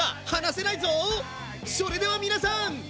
それでは皆さん。